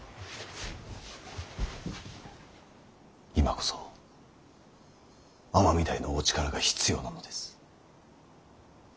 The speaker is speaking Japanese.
今こそ尼御台のお力が必要なのです。